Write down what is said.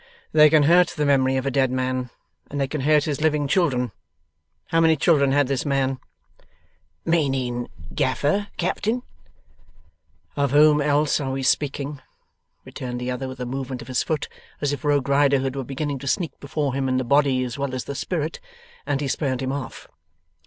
'They can hurt the memory of a dead man, and they can hurt his living children. How many children had this man?' 'Meaning Gaffer, Captain?' 'Of whom else are we speaking?' returned the other, with a movement of his foot, as if Rogue Riderhood were beginning to sneak before him in the body as well as the spirit, and he spurned him off.